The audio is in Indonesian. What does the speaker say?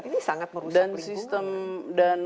ini sangat merusak lingkungan